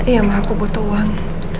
ya ma aku butuh uang